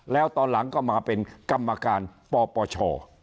แล้วตอนหลังก็มาเป็นกรรมการปปช